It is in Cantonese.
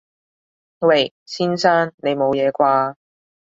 喂！先生！你冇嘢啩？